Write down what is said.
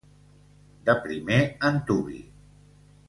De primer antuvi.